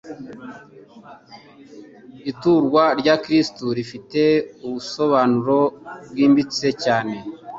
Iturwa rya Kristo rifite ubusobanuro bwimbitse cyane.